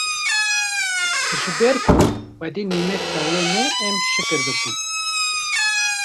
ji ber ku Xwedê nîmet daye me em şikir bikin